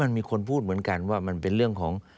มันมีคนพูดเหมือนกันว่ามันเป็นเรื่องของ